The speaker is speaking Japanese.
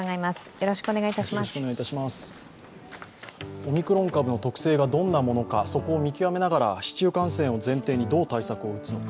オミクロン株の特性がどんなものか、そこを見極めながら市中感染を前提にどう対策を打つのか。